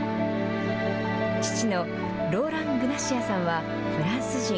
父のローラン・グナシアさんはフランス人。